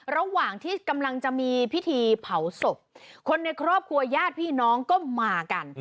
ระหว่างที่กำลังจะมีพิธีเผาศพคนในครอบครัวญาติพี่น้องก็มากัน